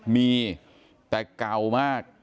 มีแต่เก่ามาก